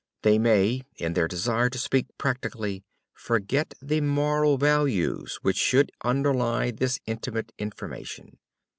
They may, in their desire to speak practically, forget the moral values which should underlie this intimate information.